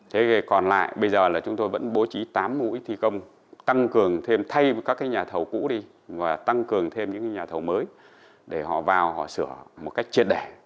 thế còn lại bây giờ là chúng tôi vẫn bố trí tám mũi thi công tăng cường thêm thay các cái nhà thầu cũ đi và tăng cường thêm những nhà thầu mới để họ vào họ sửa một cách triệt đẻ